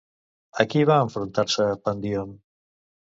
A qui va enfrontar-se Pandíon?